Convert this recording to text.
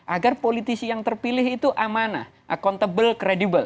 agar politisi yang terpilih itu amanah accountable credibel